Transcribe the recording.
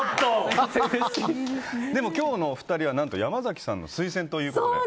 でも今日の２人は何と山崎さんの推薦ということで。